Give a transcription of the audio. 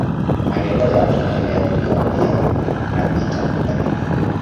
Maendeleo ya Afrika yaliathiriwa pia na vita baridi